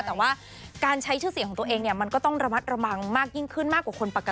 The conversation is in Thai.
แต่ว่าการใช้ชื่อเสียของตัวเองมันก็ต้องระมัดระมังมาก